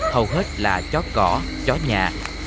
hầu hết là chó cỏ chó nhà